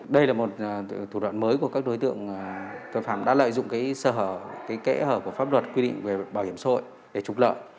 đây là một thủ đoạn mới của các đối tượng tội phạm đã lợi dụng sơ hở kẽ hở của pháp luật quy định về bảo hiểm xã hội để trục lợi